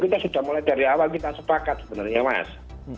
kita sudah mulai dari awal kita sepakat sebenarnya mas